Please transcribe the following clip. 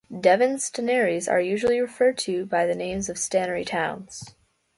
Devon stannaries are usually referred to by the names of stannary towns.